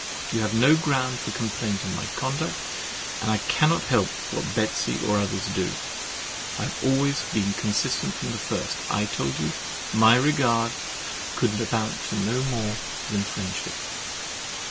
You have no ground for complaint in my conduct; and I cannot help what Betsey or others do. I have always been consistent from the first. I told you my regard could amount to no more than friendship.